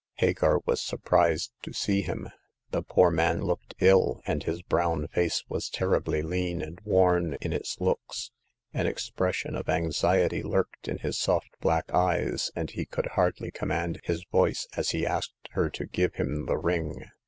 Hagar was surprised to see him. The poor man looked ill, and his brown face was terribly lean and worn in its looks. An ex pression of anxiety lurked in his soft black eyes, and he could hardly command his voice as he asked her to give him the ring.